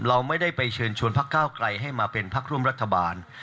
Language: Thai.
เราไม่ได้ไปเชิญชวนพักก้าวไกลให้มาเป็นพักร่วมรัฐบาล